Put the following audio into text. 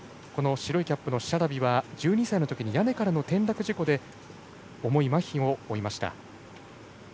白いキャップのシャラビは１２歳のときに屋根からの転落事故で重いまひを負いました。